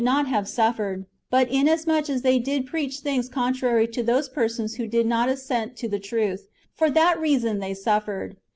311 not have suffered ; but inasmucli as tliey did preach things contrary to those persons who did not assent to the truth, for that reason they suffered.